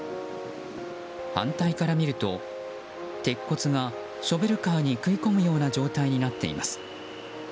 反対から見ると鉄骨がショベルカーに食い込むような状態になっています。